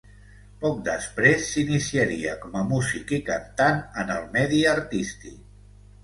Poc després, s'iniciaria com a músic i cantant en el medi artístic.